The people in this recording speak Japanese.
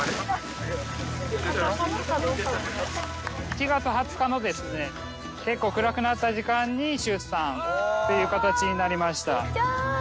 １月２０日のですね結構暗くなった時間に出産という形になりました。